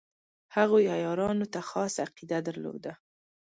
هغوی عیارانو ته خاصه عقیده درلوده.